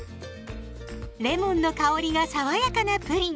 レモンの香りが爽やかなプリン！